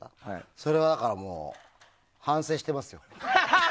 それはだからもう反省してます。